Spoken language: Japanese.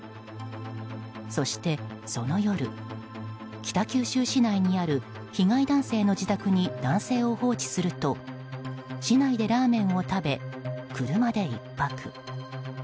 そして、その夜北九州市内にある被害男性の自宅に男性を放置すると市内でラーメンを食べ、車で１泊。